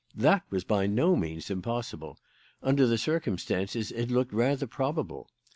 That was by no means impossible: under the circumstances it looked rather probable.